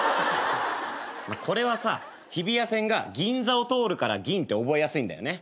これはさ日比谷線が銀座を通るから銀って覚えやすいんだよね。